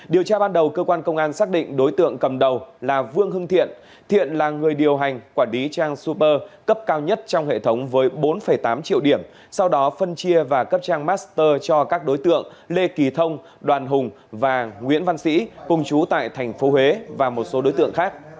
điều tra ban đầu cơ quan công an xác định đối tượng cầm đầu là vương hưng thiện thiện là người điều hành quản lý trang super cấp cao nhất trong hệ thống với bốn tám triệu điểm sau đó phân chia và cấp trang master cho các đối tượng lê kỳ thông đoàn hùng và một số đối tượng khác